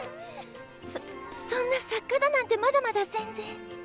そそんな作家だなんてまだまだ全然。